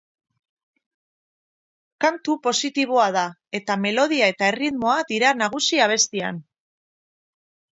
Kantu positiboa da eta melodia eta erritmoa dira nagusi abestian.